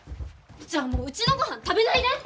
じゃあもううちのごはん食べないで！